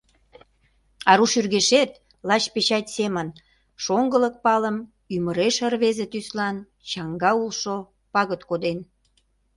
Ару шӱргешет лач печать семын шоҥгылык палым ӱмыреш рвезе тӱслан чаҥга улшо пагыт коден.